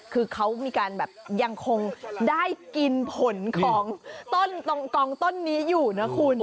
คือเขามีการแบบยังคงได้กินผลของต้นกองต้นนี้อยู่นะคุณ